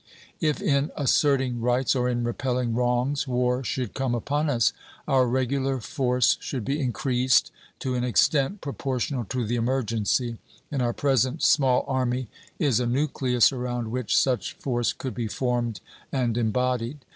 If in asserting rights or in repelling wrongs war should come upon us, our regular force should be increased to an extent proportional to the emergency, and our present small Army is a nucleus around which such force could be formed and embodied.